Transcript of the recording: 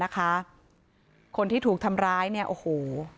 คนที่ถูกทำร้ายเนี่ยโอ้โห